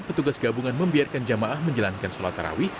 petugas gabungan membiarkan jamaah menjalankan sholat tarawih